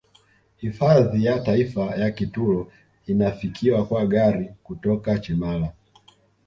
Hifadhi ya taifa ya Kitulo inafikiwa kwa gari kutoka Chimala